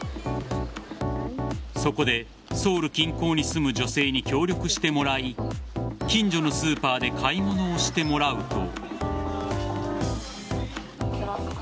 そこでソウル近郊に住む女性に協力してもらい近所のスーパーで買い物をしてもらうと。